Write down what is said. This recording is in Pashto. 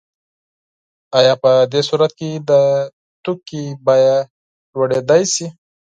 آیا په دې صورت کې د توکي بیه لوړیدای شي؟